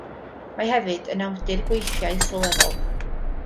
Mae hefyd yn awdur gweithiau sylweddol.